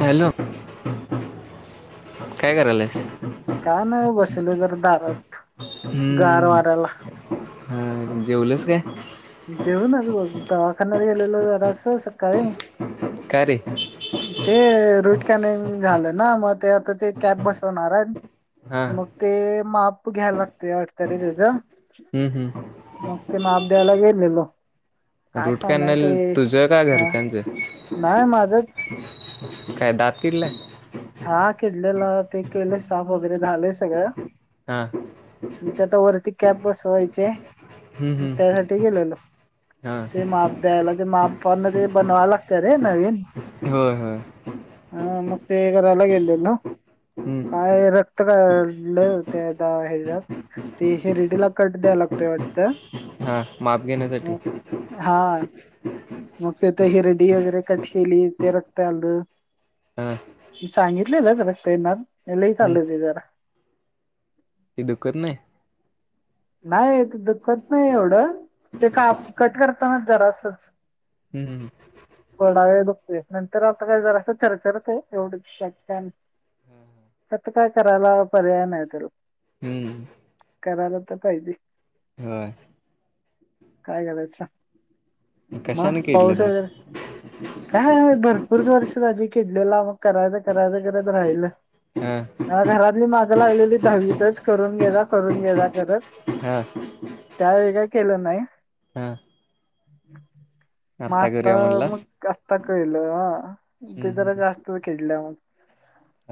Hello, काय चाललंय? काय कराल्यास? काय नाही बसलोय, जरा दारात गार हम्म वाऱ्याला. हा जेवलीस काय? जेऊन आलो बघ दवाखान्यात गेलेलो जरासं सकाळी. का रे? ते रूट कॅनल झालं ना मग ते आता ते कॅब बसवणार आहेत. हा मग ते माप घ्याया लागते वाटत रे त्याच. हम्, हम्. मग ते माप द्यायला गेलेलो. काय रूट सांगणार ते कॅनल तुझ का हा घरच्यांचं? नाही माझंच [inaudible] काय दात किडलं आहे? हा किडलेला ते केलेय साफ वगैरे झालय सगळं. हा. ते आता वरती कॅब बसवायची हम्म हम्म त्यासाठी गेलेलो. हा ते माप द्यायला खर माप पण ते बनवा लागतीया रे नवीन. होय. हा मग ते करायला गेलेलो. हम्म काय रक्त काढलंय ते त्या हेज. ते हिरडीला कट द्यायला लागतोय वाटतं. हा माप घेण्यासाठी. मग हा [inaudible] मग तेथे हिरडी वगैरे कट केली ते रक्त आलं. हा. मी सांगितलेलं जरा ताईंना लय हम्म चाललंय त्याच. ते दुखत नाही? नाही ते दुःखत नाही एवढं, ते का कट करताना जरासच. हम्. थोडा वेळ दुखतंय नंतर आता काय जरास चर्चरतय तेवढच बाकी काय नाही. आता काय करायला पर्याय नाही त्याला हम्म [unintelligible] करत्यात. आत्ता पाहिजे. होय. काय करायचं सांग. [inaudible] मग कशाने किडलं पाऊस दात वगैरे काय आहे बरं. [unintelligible] वर्षी आधी किडलेला मग करायचं करायचं करायचं म्हणत राहिलंच. ह. घरातली माग लागलेली दहावीतच करून घे जा, करून घे जा करत. हा. त्यावेळी काही केलं नाही. हा म आत्ता करूया तर म्हणलास मग. आता कळल ह हम्म ते जरा हम्म जास्त खेळल्या मग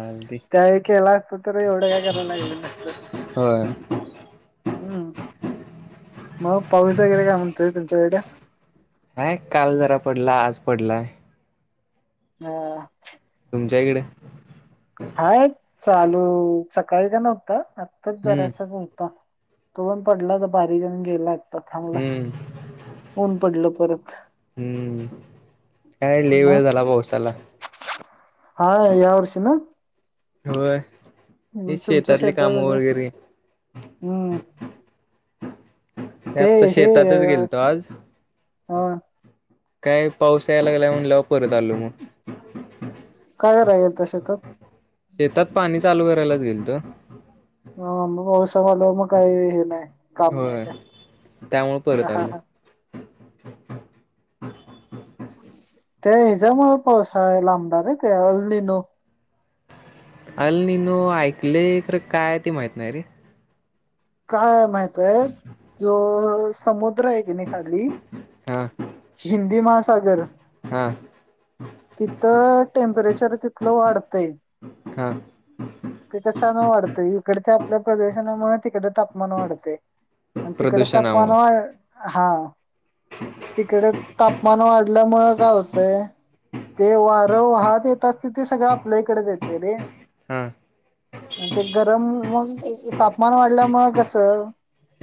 हलदी. त्याळी केला असत तर एवढं काय करायला लागलं नसतं. होय. हम्म मग पाऊस वगैरे काय म्हणतय तुमच्याकडे हा काल जरा पडला आज पडलाय. हा. तुमच्या इकडे हाय चालू सकाळी का नव्हता आत्ताच हम्म जरायचाच होता. तो पण पडलाता बारीक जण गेला हम्म थांबलाय ऊन पडलं परत. हम्म काय लइ मग वेळ झाला पावसाला. हा या वर्षी ना होय. हे हम् तुमच्या शेतातली शेतात कामं सगळं वगैरे हम्म ते आत्ता हे शेतातच ह. गेलतो आज काय पावस यायला लागला म्हणल्यावर परत आलो मग. काय कराय गेलात शेतात. शेतात पाणी चालू करायलाच गेलतो. ह मग पावसाळा आल्यामुळे मग हे हे काही नाही काम, नाही होय का, त्यामुळे परत आलो हाहाहा. त्या हेज्यामुळे पावसाळा लांबला नाही ते अल्लीनो. अल नी नू ऐकले खर काय ते माहित नाही रे. काय माहितेय जो समुद्र आहे. तेनी खाली हा हिंदी महासागर. हा तिथं टेम्परेचर तिथलं वाढतंय. हा. तिक छान वाढतं इकडच्या आपल्या प्रदूषणामुळे तिकड. तापमान वाढते आणि तिकड तापमान प्रदूषणामुळं वा हा तिकडे तापमान वाढल्यामुळे काय होतंय. ते वारं वाहत येतात ते सगळ आपल्या इकडे येते रे. हा. म्ह ते गरम मग तापमान वाढल्यामुळे कसं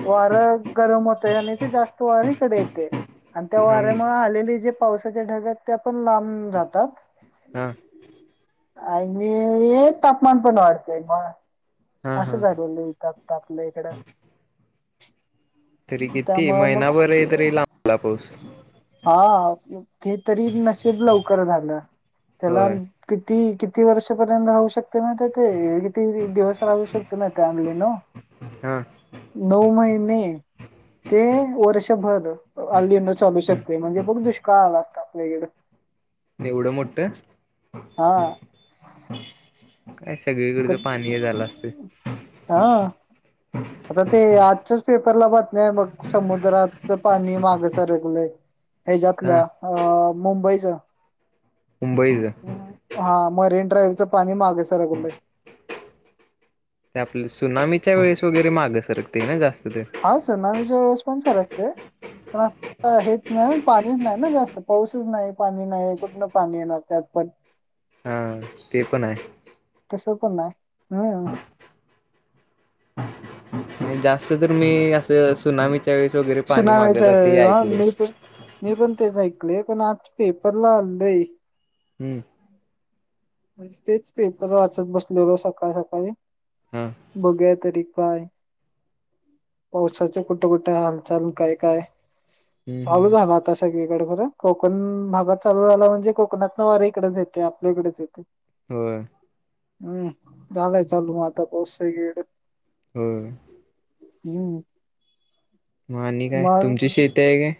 वार गरम होतय आणि ते जास्त वार इकडे येतय. आणि त्या हम वाऱ्यामुळे आलेले जे पावसाच्या ढगात त्या पण लांब जातात. हा. आणि मी तापमान पण वाढतंय मग. हा असं हा झाले लइ तप त आपलं इकडं तरी किती त्यामुंळ मग. महिनाभर तरी लांबला पाऊस हा ते तरी नशिब लवकर झालं त्याला होय किती किती वर्षपर्यंत राहू शकते माह ते किती दिवस राहू शकते माहि अमली न हा नऊ महिने ते वर्षभर अलीन चालू शकते म्हणजे बघ दुष्काळ आला असतता आपल्याकडं एवढं मोट. हा. का सगळीकडच पाणी हे झालं असत. हा. आता ते आजच्याच पेपरला बातमी्या आहे मग समुद्राच पाणी माग सरकलय. हा ह्याच्यातल्या अ मुंबईच मुंबईचं. हा मरीन ड्राईव्ह च पाणी मागे सरकल ते आपल्या सुनामीच्या वेळेस वगैरे मागं सरकते ना जास्त ते हा सर नावीच्या वेवस पण सारखते पण हेच नाही पाणीच नाही ना जास्त पाऊसच नाही पाणी नाही कुठन पाणी येणार तेत पण हा ते पण आहे तस पण नाही हम्म जास्त तर मी असं सुनामीच्या वेळेस वगैरे पाणी मागत सुनामीच्या जाते वेळेस हा ऐकले मी पण मी पण तेच ऐकले पण आज पेपरला आललंय हम्म तेच पेपर वाचत बसले रो सकाळी सकाळी हा बघुया तरी काय ववसााच कुठे कुठे हालचाल काय काय हम् चालू झाला आता सगळीकडे खरं कोकण भागात चालू झाला म्हणजे कोकणात ना वारी इकडेच येते आपल्या इकडेच येते हो हम्म झालाय चालू मग आता पाऊस सगळीकड होय हम्म मा आणि काय मग तुमची शेती आहे काय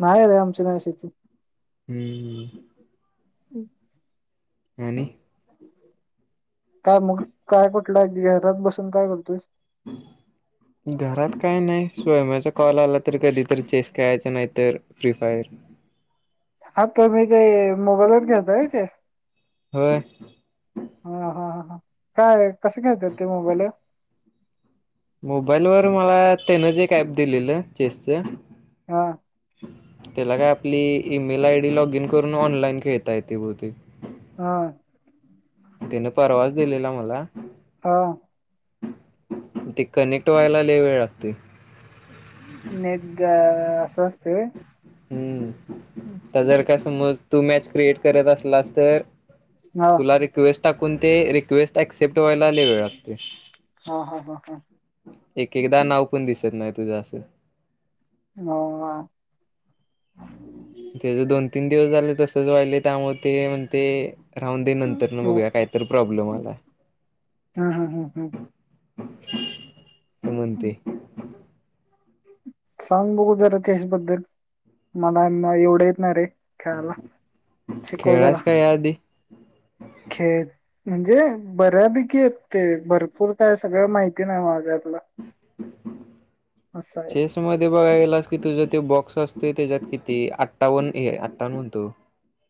नाही रे आमच्या नाशथ हम्म हम् आणि काय मग काय कुठलंय की घरात बसून काय करतोयस हम् घरात काही नाही स्वयमाचा कॉल आला तर कधीतरी चेस खेळायचा नाही तर फ्री फायर हा तर मी ते मोबाईलवर घेेतोय र तेस हो हा हा ह ह काय कसं घ्यायचं ते मोबाईल मोबाईल वर मला त्यानच एक ऍप दिलेलं चेसच हा त्याला काय आपली email I D log in करून ऑनलाइन खेळतायेते भोती हा तिने परवाच दिलेला मला हा ते कनेक्ट व्हायलाला लई वेळ लागतो नेट ग अस असत व्हय हम्म तर जर का समज तू मॅच क्रिएट करत असलास तर हा तुला रिक्वेस्ट टाकून ते रिक्वेस्ट अक्सेप्ट व्हायला लई वेळ लागतो हा हा हा हा एक एकदा नाव पण दिसत नाही तुझं असेल हो ते ज दोन तीन दिवस झाले तसच वाहिले त्यामुळे ते म्हण ते राहून दे नंतर न हम्म बघूया काहीत प्रॉब्लेम आला हम्म हम्म हम्म हा म्हणतय सांग बघू जरा त्याचबद्दल मला एवढं येतणार आहे खेळाला शिकव जरा खेळलायस का या आधी? खेळ म्हणजे बऱ्यापैकी आहेत ते भरपूर काय सगळं माहिती नाही माझ्यातलं ह अस चेस मध्ये बघा गलास की तुझं ते बॉक्स असतोय त्याच्यातिती अठावन अठ्ठावन म्हणतो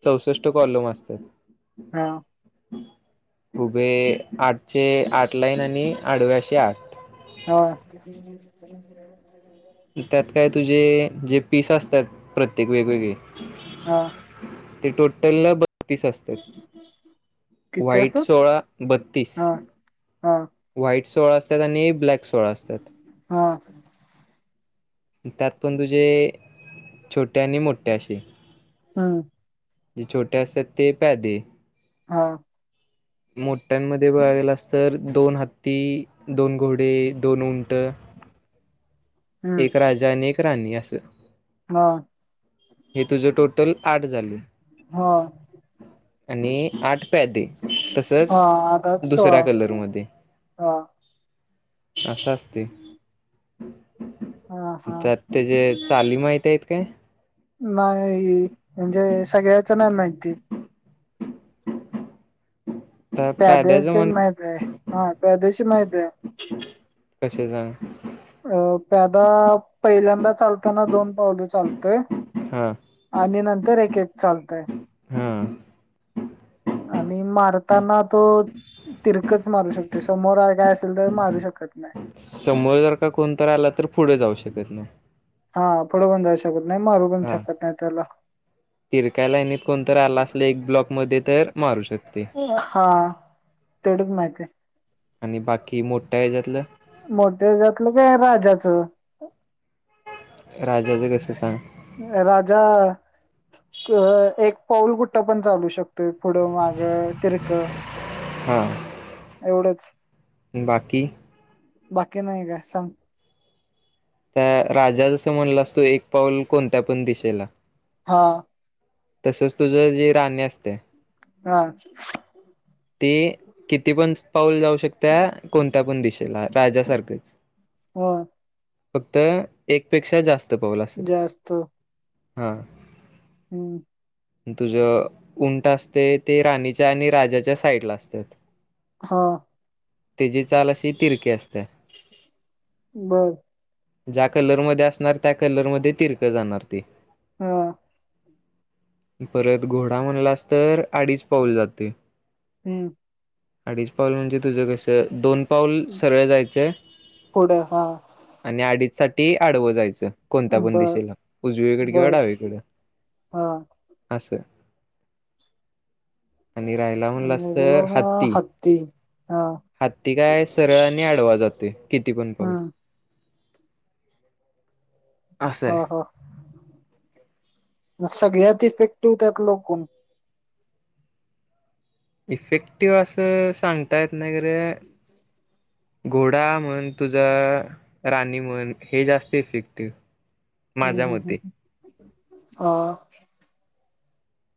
चौसष्ट कॉलम असतात हा उभे आठशे आठ लाईन आणि आठव्याशे आठ हा त्यात काय तुझे जे पीस असतात प्रत्येक वेगवेगळे हा ते टोटल बत्तीस असतात किती वाईट असतात सोळा बत्तीस हा हा व्हाईट सोळा असतात आणि ब्लॅक सोळा असतात हा त्यात पण तुझे छोटे आणि मोठे असे हा जे छोटे असतात ते पॅदे हा मोठ्यांमध्ये बघला अस तर दोन हत्ती दोन घोडे दोन उंट हम्म एक राजा आणि एक राणी अससं हा हे तुझं टोटल आठ झाले हा आणि आठ प तसच हा आता सोळा दुसऱ्या कलरमध्ये हा असं अस असते हा हा तर त्याचे चाली माहित आहेत काय नाही म्हणजे सगळ्याच नाही माहिती तर प्याद्याचं प्याद्याची म्हण माहित आहे हा प्याद्याची माहित आहे कसे जाां अ प्यादा पहिल्यांदा चालताना दोन पावलं चालतय हां आणि नंतर एक एक चालतय हा आणि मारताना तो तिरकच मारू शकते समोर काय असेल तर मारू शकत नाही समोर जर का कोणत आला तर पुढे जाऊ शकत ना हा पुढू पण जाऊ शकत नाही मारू पण हा शकत नाही त्याला तिरकाय लाईनीत कोणत आला असल एक ब्लॉक मध्ये तर मारू शकते हा तेढच माहिती आहे आणि बाकी मोठा हेातला मोठे जातलं काय राजाचं राज्याच कसं सां राजा एक पाऊल कुठं पण चालू शकतो त पुढं मागं तिरकं हा एवढंच बाकी बाकी नाही का सांग त्या राजा जसं म्हणलं असतो एक पाऊल कोणत्या पण दिशेला हा तसच तुझं जी राणी असते हा ते किती पण पाऊल जाऊ शकत कोणत्या पण दिशेला राजासारखंच हो फक्त एकपेक्षा जास्त पाऊल अस जास्त हा हम्म तुझ उंट असते ते राणीच्या आणि राजाच्या साइडला असतात हा त्याची चाल अशी तिरकी असते बर ज्या कलरमध्येध्ये असणार त्या कलरमध्ये तिरकं जाणार तेी हम परत घोडा म्हणलास तर अडीच पाऊल जाते हम्म अडीच पाऊल म्हणजे तुझं कसं दोन पाऊल सगळं जायचंय पुढं हा आणि आडीच साठी आडवं जायचं कोणत्या पण बर दिशेला उजवीकडे किंवा बर डावीकडें हा असस आणि रायला म्हणलं अस आणि तर गेलो ना हत्ती हा हातती काय सरळ आणि आडवा जातोय किती पण पाहल हम्म असं हा आहे ह सगळ्यात इफेक्टिव्ह त्यात लोकण इफेक्टिव्ह असं सांगता येतना किर घोडा म्हण तुझा राणी म्हण हे जास्त इफेक्टिव हम्म हम् हम् ह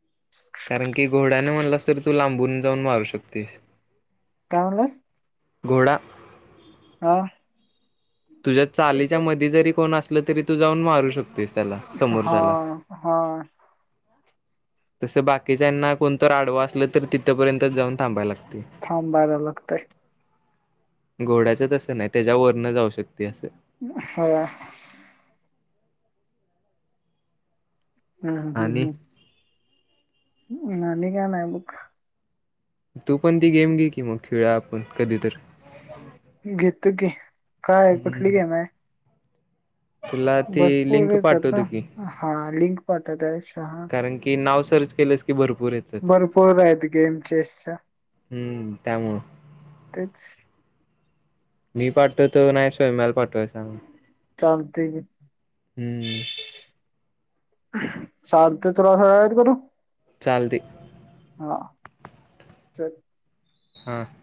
ह् कारण की घोड्याने म्हणलास तर तू लांबून जाऊन मारू शकतेस टनलस गोडा हा तुझ्या चालीच्या मध्ये जरी कोण असलं तरी तू जाऊन मारू शकतो तिसतला हा हा तसं बाकीच्यांना कोणत आडवा असलं तर तिथंपर्यंत जाऊन थांबायला लागते थांब बार लागतय घोड्याच तसं नाही त्याच्या वरन जाऊ शकते असं होा हम् ह हम आणि हम नाही का नाय बुक तू पण ती गेम घे की मग खेळा आपण कधीतरी घेतो की कायय कुठली हम्म. गेम आहे तुला ती भरपूर लिंक येतात पाठवतो की ना हा लिंक पाठवत आहे शहा कारण की नाव सर्च केलंच की भरपूर य भरपूर आहेतह गेम चेसच्या हम्म त्यामुळं तेच मी पठ तो नाही स्वयमाला पाठवाय सांग चालते हम्म सल ते तुलासात करू चालते हा ते हां